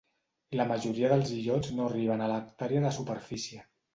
La majoria dels illots no arriben a l'hectàrea de superfície.